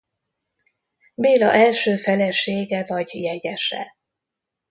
Béla első felesége vagy jegyese.